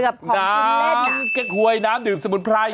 ของกินเล่นอ่ะน้ำแก๊ควยน้ำดื่มสมุนไพร